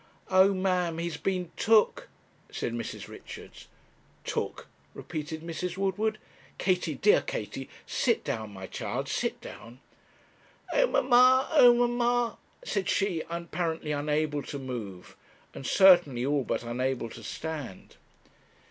'Oh, ma'am; he's been took,' said Mrs. Richards. 'Took!' repeated Mrs. Woodward. 'Katie, dear Katie sit down, my child sit down.' 'Oh, mamma! oh, mamma!' said she, apparently unable to move, and certainly all but unable to stand.